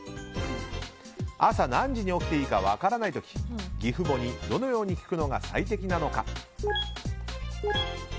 朝、何時に起きていいか分からない時義父母にどのように聞くのが最適なのか？